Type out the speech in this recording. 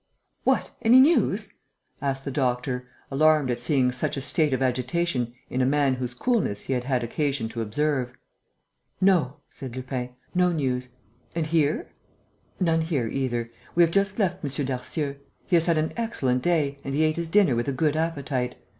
"What? Any news?" asked the doctor, alarmed at seeing such a state of agitation in a man whose coolness he had had occasion to observe. "No," said Lupin. "No news. And here?" "None here, either. We have just left M. Darcieux. He has had an excellent day and he ate his dinner with a good appetite.